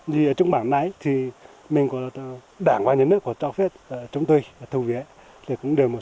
gì ở trong bảng nãy thì mình có đảng và nhà nước của cho phép chúng tôi thu viễn thì cũng đưa một